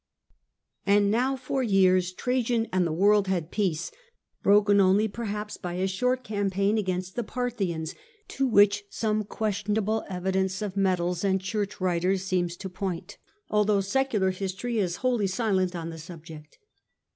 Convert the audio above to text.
And now for years Trajan and the world had peace, broken only perhapsby a short campaign against the Par thians, to which some questionable evidence of medals and church writers seems to point, although secular his tory is wholly silent on the subject.